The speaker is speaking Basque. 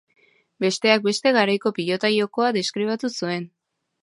Besteak beste, garaiko pilota jokoa deskribatu zuen.